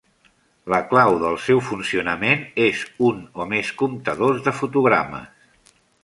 La clau del seu funcionament és un o més comptadors de fotogrames.